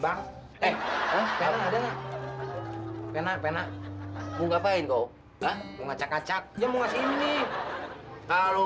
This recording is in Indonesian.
pengen pengen pengen pengen ngapain tuh ngacak ngacak ya mau ngasih ini kalau